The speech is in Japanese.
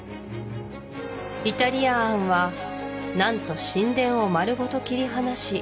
イタリア案は何と神殿を丸ごと切り離し